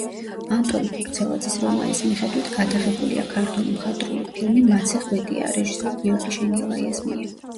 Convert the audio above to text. ანტონ ფურცელაძის რომანის მიხედვით გადაღებულია ქართული მხატვრული ფილმი „მაცი ხვიტია“ რეჟისორ გიორგი შენგელაიას მიერ.